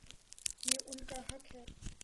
یہ ان کا حق ہے۔